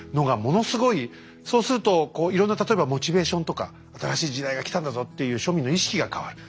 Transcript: そうするとこういろんな例えばモチベーションとか新しい時代が来たんだぞっていう庶民の意識が変わる。